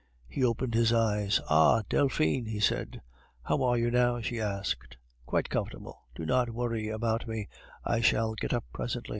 He opened his eyes. "Ah! Delphine!" he said. "How are you now?" she asked. "Quite comfortable. Do not worry about me; I shall get up presently.